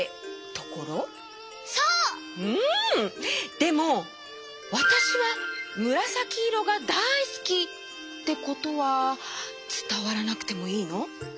でも「わたしはむらさきいろがだいすき」ってことはつたわらなくてもいいの？